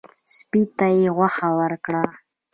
سپي ته یې غوښه ورکړه.